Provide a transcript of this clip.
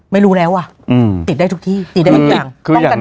ไม่รู้แล้วติดได้ทุกที่ติดได้อีกอย่าง